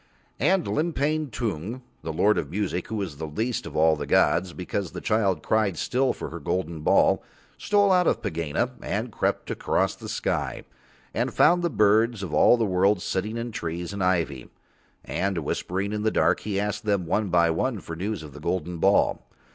And Limpang Tung, the Lord of Music, who was least of all the gods, because the child cried still for her golden ball, stole out of Pegāna and crept across the sky, and found the birds of all the world sitting in trees and ivy, and whispering in the dark. He asked them one by one for news of the golden ball.